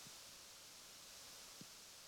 سیاه ګرد بادام مشهور دي؟